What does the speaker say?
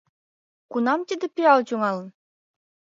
Кунам тиде пиал тӱҥалын?..